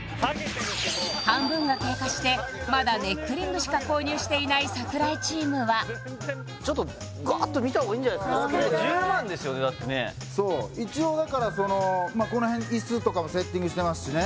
半分が経過してまだネックリングしか購入していない櫻井チームはちょっとガーッと１０万ですよだってねそう一応だからそのこの辺イスとかもセッティングしてますしね